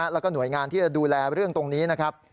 แล้วก็หน่วยงานที่จะดูแลเรื่องตรงนี้นะครับ